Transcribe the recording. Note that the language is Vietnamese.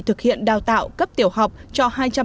thực hiện đào tạo cấp tiểu học cho